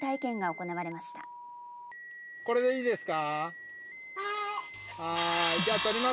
これでいいですか。